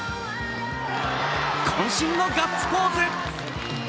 こん身のガッツポーズ。